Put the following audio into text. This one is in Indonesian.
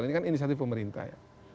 ini kan inisiatif pemerintah ya